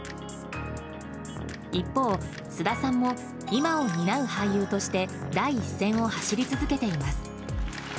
一方、菅田さんも今を担う俳優として第一線を走り続けています。